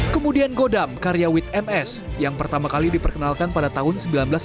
kemudian godam karyawit ms yang pertama kali diperkenalkan pada tahun seribu sembilan ratus enam puluh tujuh